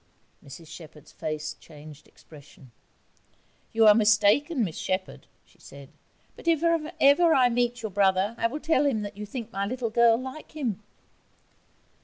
Mrs Shepherd's face changed expression. 'You are mistaken, Miss Shepherd,' she said; 'but if I ever meet your brother I will tell him that you think my little girl like him.'